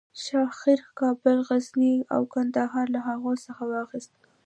شاهرخ کابل، غزني او قندهار له هغه څخه واخیستل.